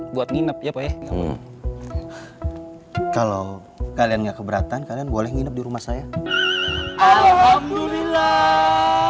buat nginep ya pak ya kalau kalian nggak keberatan kalian boleh nginep di rumah saya alhamdulillah